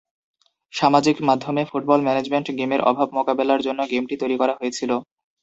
সামাজিক মাধ্যমে football management গেমের অভাব মোকাবেলার জন্য গেমটি তৈরি করা হয়েছিল।